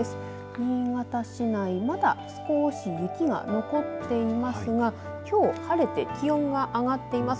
新潟市内まだ少し雪が残っていますがきょう晴れて気温が上がっています。